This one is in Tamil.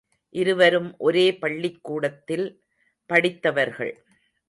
இருவரும் ஒரே பள்ளிக்கூடத்தில் படித்தவர்கள்.